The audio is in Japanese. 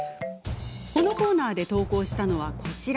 このコーナーで投稿したのは、こちら。